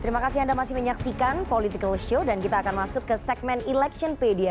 terima kasih anda masih menyaksikan political show dan kita akan masuk ke segmen electionpedia